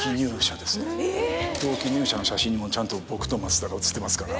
同期入社の写真にもちゃんと僕と増田が写ってますから。